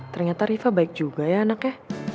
ternyata riva baik juga ya anaknya